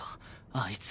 あいつ。